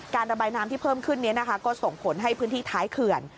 ระบายน้ำที่เพิ่มขึ้นนี้นะคะก็ส่งผลให้พื้นที่ท้ายเขื่อน